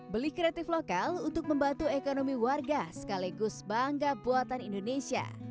beli kreatif lokal untuk membantu ekonomi warga sekaligus bangga buatan indonesia